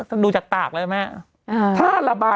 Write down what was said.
กรมป้องกันแล้วก็บรรเทาสาธารณภัยนะคะ